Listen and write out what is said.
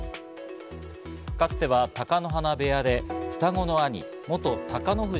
かつては貴乃花部屋で双子の兄・元貴ノ